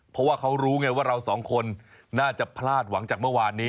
เพราะว่าเขารู้ไงว่าเราสองคนน่าจะพลาดหวังจากเมื่อวานนี้